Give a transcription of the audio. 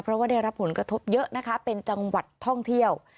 เพราะว่าได้รับผลกระทบเยอะนะคะเป็นจังหวัดท่องเที่ยว